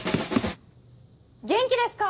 元気ですか！